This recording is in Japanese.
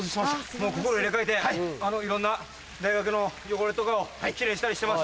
もう心入れ替えていろんな大学の汚れとかをキレイにしたりしてます。